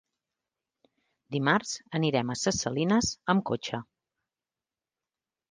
Dimarts anirem a Ses Salines amb cotxe.